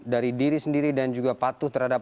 dari diri sendiri dan juga patuh terhadap